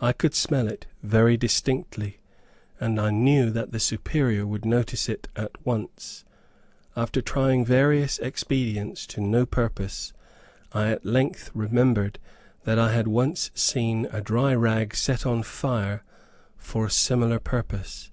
I could smell it very distinctly, and I knew that the Superior would notice it at once. After trying various expedients to no purpose, I at length remembered that I had once seen a dry rag set on fire for a similar purpose.